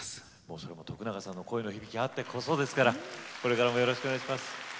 それも永さんの声の響きあってこそですからこれからもよろしくお願いします。